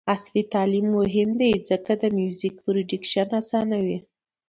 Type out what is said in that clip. عصري تعلیم مهم دی ځکه چې د میوزیک پروډکشن اسانوي.